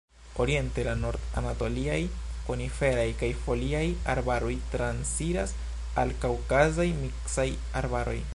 Oriente, la Nord-anatoliaj koniferaj kaj foliaj arbaroj transiras al Kaŭkazaj miksaj arbaroj.